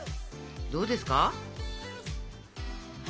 どうですか？